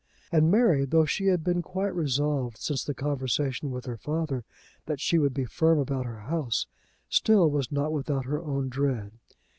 And Mary, though she had been quite resolved since the conversation with her father that she would be firm about her house, still was not without her own dread.